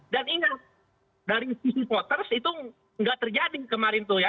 dan ingat dari sisi voters itu tidak terjadi kemarin tuh ya